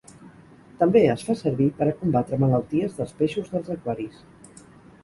També es fa servir per a combatre malalties dels peixos dels aquaris.